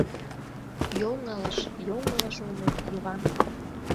— Йоҥылыш, йоҥылыш ойлет, Йыван...